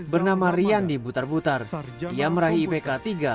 bernama riyandi butar butar yang meraih ipk tiga delapan